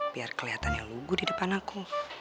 biar kelihatannya lugu di depan aku